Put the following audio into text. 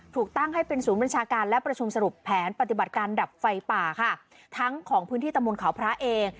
ถูกตั้งให้เป็นศูนย์บัญชาการและประชุมสรุปแผนปฏิบัติการดับไฟป่าค่ะทั้งของพื้นที่ตะมนต์เขาพระเอง